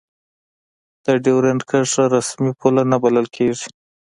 د دیورند کرښه رسمي پوله نه بلله کېږي.